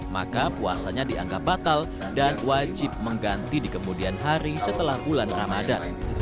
maka puasanya dianggap batal dan wajib mengganti di kemudian hari setelah bulan ramadan